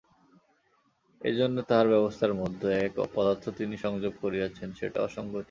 এইজন্য তাঁহার ব্যবস্থার মধ্যে একটা পদার্থ তিনি সংযোগ করিয়াছেন, সেটা অসংগতি।